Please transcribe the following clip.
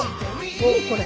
何これ。